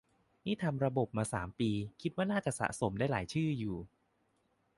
นี่ทำระบบมาสามปี คิดว่าน่าจะสะสมได้หลายชื่ออยู่